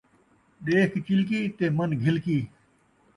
ݙیکھ چلکی تے من گھلکی